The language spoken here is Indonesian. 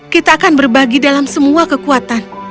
kita akan berbagi dalam semua kekuatan